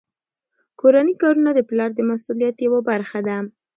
کورني کارونه د پلار د مسؤلیت یوه برخه ده.